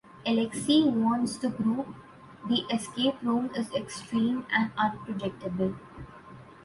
Alexei warns the group the escape room is extreme and unpredictable.